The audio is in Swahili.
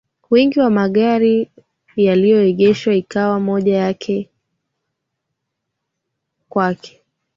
Wingi wa magari yaliyoegeshwa ikawa moja yak inga kwake